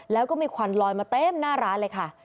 แล้วก็มีควันลอยมาเต็มหน้าร้านเลยค่ะ